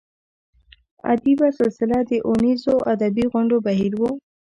ادبي سلسله د اوونیزو ادبي غونډو بهیر و.